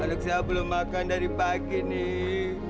kalau saya belum makan dari pagi nih